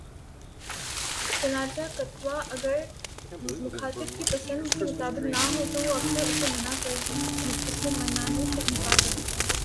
چنانچہ فتویٰ اگر مخاطب کی پسند کے مطابق نہ ہو تو اکثر وہ اسے ماننے سے انکار کر دیتا ہے